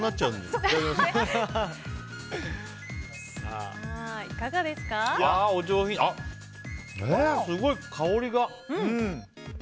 すごい、香りが。